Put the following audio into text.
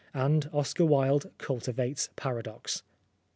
And Oscar Wilde cultivates paradox.